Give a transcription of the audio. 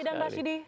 om idang rashidi